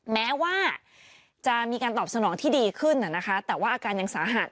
แม้ว่าจะมีการตอบสนองที่ดีขึ้นแต่ว่าอาการยังสาหัส